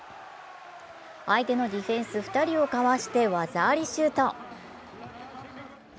相手のディフェンス２人を交わして技ありシュート。